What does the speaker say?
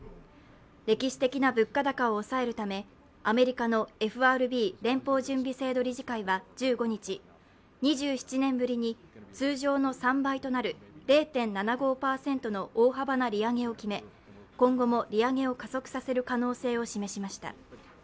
歴史的な物価高を抑えるためアメリカのＦＲＢ＝連邦準備制度理事会は１５日、２７年ぶりに通常の３倍となる０．７５％の大幅な利上げを決め、今後も利上げを加速させる可能性を示しました。